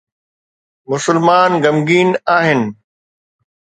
مسلمان غمگين آهن